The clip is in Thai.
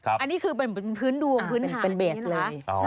อันนี้คือเป็นพื้นดวงพื้นฐานเป็นเบสนะ